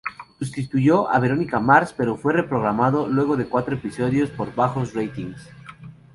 Sustituyó a "Veronica Mars", pero fue reprogramado luego de cuatro episodios por bajos ratings.